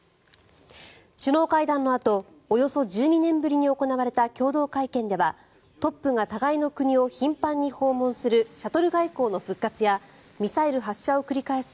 首脳会談のあとおよそ１２年ぶりに行われた共同会見ではトップが互いの国を頻繁に訪問するシャトル外交の復活やミサイル発射を繰り返す